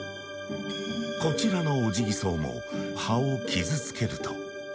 こちらのオジギソウも葉を傷つけると。